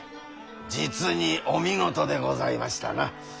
実にお見事でございましたな。